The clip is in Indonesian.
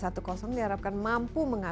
siapa tuh semisalnya individuen ini